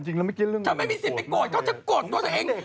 อุ๊ยถ้าไม่มีสิทธิ์ไปโกดเขาจะโกดตัวตัวเอง